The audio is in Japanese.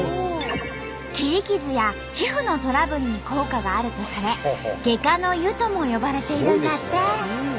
切り傷や皮膚のトラブルに効果があるとされ「外科の湯」とも呼ばれているんだって。